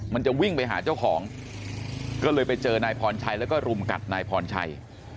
มันจะวิ่งไปหาเจ้าของก็เลยไปเจอนายพรชัยแล้วก็รุมกัดนายพรชัย